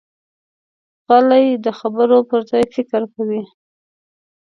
غلی، د خبرو پر ځای فکر کوي.